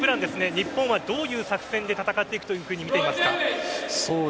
日本はどういう作戦で戦っていくと見ていますか？